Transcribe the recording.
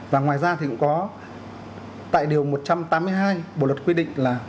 và ngoài ra thì cũng có tại điều một trăm tám mươi hai bộ luật quy định là